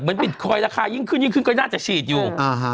ยิ่งแบบเหมือนบิตคอยน์ราคายิ่งขึ้นก็น่าจะฉีดอยู่